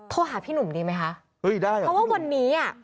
หาพี่หนุ่มดีไหมคะเฮ้ยได้เพราะว่าวันนี้อ่ะ